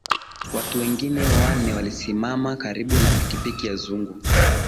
Watu wengine wane walisimama karibu na pikipiki ya Zugu